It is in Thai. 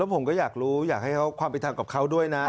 แล้วผมก็อยากรู้อยากให้ความผิดทางกับเขาด้วยนะ